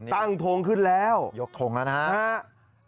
ทงขึ้นแล้วยกทงแล้วนะครับ